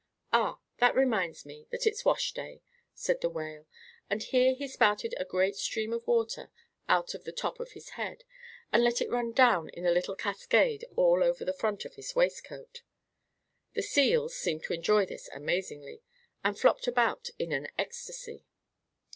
"Ah, that reminds me that it's wash day," said the Whale; and here he spouted a great stream of water out of the top of his head and let it run down in a little cascade all over the front of his waistcoat. The seals seemed to enjoy this amazingly, and flopped about in an ecstasy.